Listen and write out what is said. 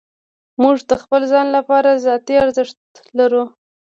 موږ د خپل ځان لپاره ذاتي ارزښت لرو.